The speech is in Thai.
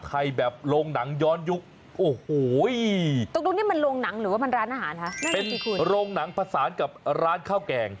เป็นโรงนางผสานกับร้านข้าวแกง